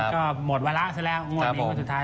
ก็หมดวาระเสร็จแล้วงวดนี้วันสุดท้าย